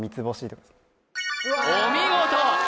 お見事！